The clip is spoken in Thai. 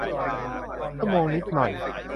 ชั่วโมงนิดหน่อย